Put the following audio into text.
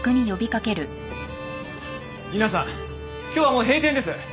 皆さん今日はもう閉店です。